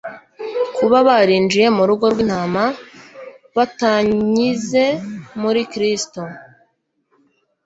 Kuba barinjiye mu rugo rw'intama batanyize muri Kristo